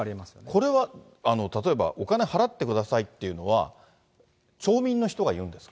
これは、例えば、お金払ってくださいっていうのは、町民の人が言うんです